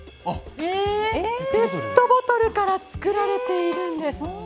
ペットボトルから作られているんです。